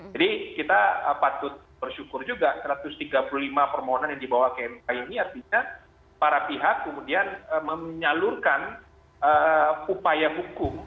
jadi kita patut bersyukur juga satu ratus tiga puluh lima permohonan yang dibawa ke mk ini artinya para pihak kemudian menyalurkan upaya hukum